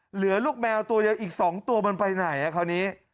เหลือลูกแมวตัวเดียวอีก๒ตัวมันไปไหนคราวนี้